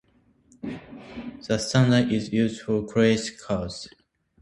The standard is used for credit cards.